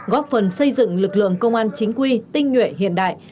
góp phần xây dựng lực lượng công an chính quy tinh nhuệ hiện đại